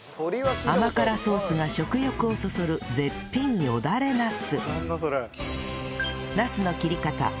甘辛ソースが食欲をそそる絶品よだれナス